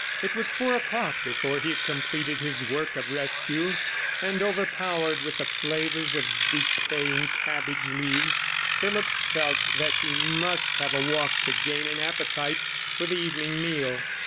It was four o'clock before he had completed his work of rescue; and, overpowered with the flavours of decaying cabbage leaves, 36 Phillipps felt that he must have a walk to gain an appetite for the evening meal.